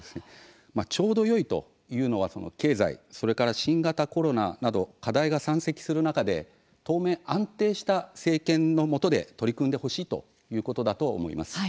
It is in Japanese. ちょうどよいというのは経済それから新型コロナなど課題が山積する中で、当面安定した政権の下で取り組んでほしいということだと思います。